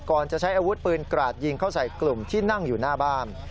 จะใช้อาวุธปืนกราดยิงเข้าใส่กลุ่มที่นั่งอยู่หน้าบ้าน